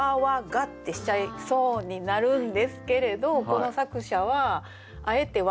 「が」ってしちゃいそうになるんですけれどこの作者はあえて「は」にしたんでしょうね。